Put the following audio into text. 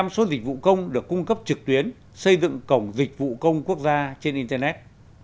một mươi số dịch vụ công được cung cấp trực tuyến xây dựng cổng dịch vụ công quốc gia trên internet